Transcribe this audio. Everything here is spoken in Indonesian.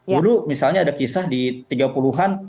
guru misalnya ada kisah di tiga puluh an